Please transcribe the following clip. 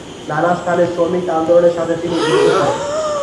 নানা স্থানে শ্রমিক আন্দোলনের সাথে তিনি যুক্ত ছিলেন।